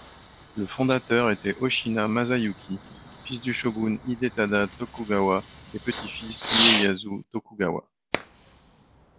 Le fondateur était Hoshina Masayuki, fils du shogun Hidetada Tokugawa et petit-fils d'Ieyasu Tokugawa.